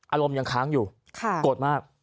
อารมณ์ยังค้างอยู่โกรธมาก